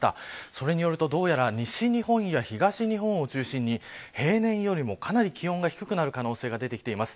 それによると、どうやら西日本や東日本を中心に平年よりもかなり気温が低くなる可能性が出てきています。